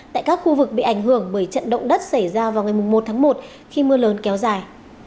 tại các khu vực bị ảnh hưởng bởi trận động đất xảy ra vào ngày một tháng một khi mưa lớn kéo dài